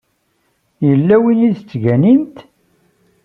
Yella win i tettganimt?